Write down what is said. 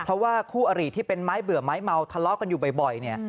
เพราะว่าคู่อริที่เป็นไม้เบื่อไม้เมาทะเลาะกันอยู่บ่อย